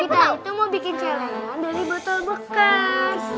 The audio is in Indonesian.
itu mau bikin celengan dari botol bekas